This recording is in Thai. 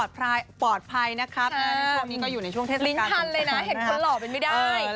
สุดท้ายสุดท้าย